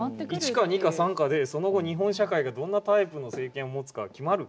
１か２か３かでその後日本社会がどんなタイプの政権を持つかが決まる。